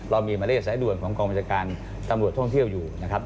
เรามีหมายเลขสายด่วนของกองบัญชาการตำรวจท่องเที่ยวอยู่นะครับ